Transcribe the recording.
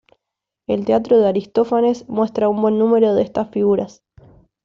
El teatro de Aristófanes muestra un buen número de estas figuras.